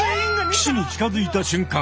岸に近づいた瞬間